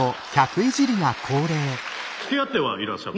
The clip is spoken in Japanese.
つきあってはいらっしゃる？